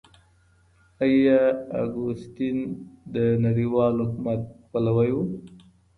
آيا اګوستين د نړيوال حکومت پلوي و؟